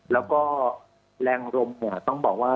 แล้วก็แรงรมต้องบอกว่า